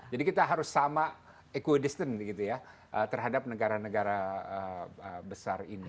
jadi kita harus sama equidistant gitu ya terhadap negara negara besar ini